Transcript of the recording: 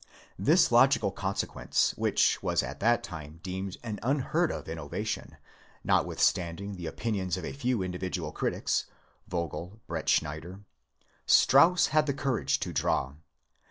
This logical consequence, which was at the time deemed an unheard of innovation, notwithstanding the opinions of a few individual critics (Vogel, Bret schneider), Strauss had the courage to draw.